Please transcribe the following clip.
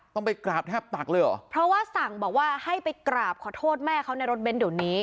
ต้องไปกราบแทบตักเลยเหรอเพราะว่าสั่งบอกว่าให้ไปกราบขอโทษแม่เขาในรถเน้นเดี๋ยวนี้